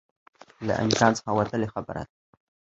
له امکان څخه وتلی خبره ده